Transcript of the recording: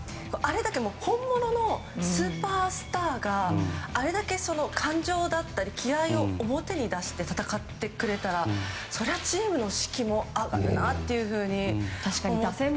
本物のスーパースターがあれだけ感情だったり気合を表に出して戦ってくれたらそりゃチームの士気も上がるなっていうふうに思って。